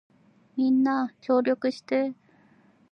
みんな協力してー